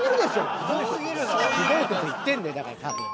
ひどい事言ってるんだよだから多分。